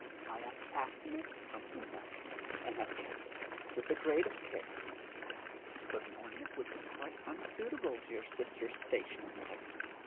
'I unfastened it from her neck, and have kept it with the greatest care. It was an ornament which was quite unsuitable to your sister's station in life.